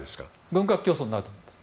軍拡競争になると思います。